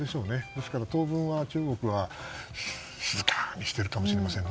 ですから、当分は中国は静かにしているかもしれません。